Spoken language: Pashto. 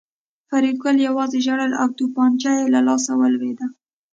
فریدګل یوازې ژړل او توپانچه یې له لاسه ولوېده